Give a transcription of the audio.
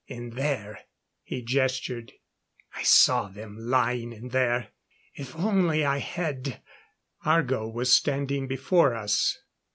In there " He gestured. "I saw them lying in there. If only I had " Argo was standing before us.